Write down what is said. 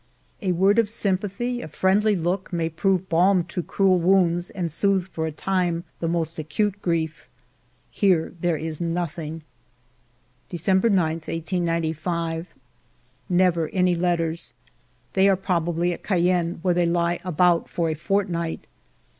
A word of sympathy, a friendly look, may prove a balm to cruel wounds and soothe for a time the most acute grief. Here there is nothing. i82 FIVE YEARS OF MY LIFE w Dec ember 9, 1895. Never any letters. They are probably at Cayenne, where they lie about for a fortnight.